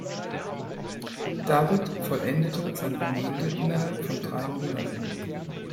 David vollendete sein Gemälde innerhalb von drei Monaten.